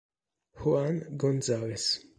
Juan González